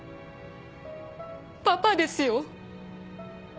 「パパ」ですよ。